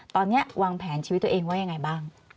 ตอนนี้วางแผนชีวิตตัวเองว่ายังไงบ้าง